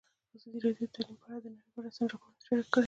ازادي راډیو د تعلیم په اړه د نړیوالو رسنیو راپورونه شریک کړي.